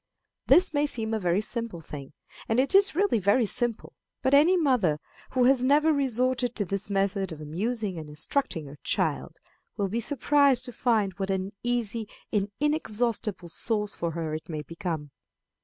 This may seem a very simple thing, and it is really very simple; but any mother who has never resorted to this method of amusing and instructing her child will be surprised to find what an easy and inexhaustible resource for her it may become.